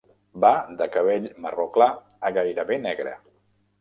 Va de cabell marró clar a gairebé negre.